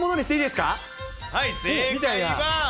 はい、正解は。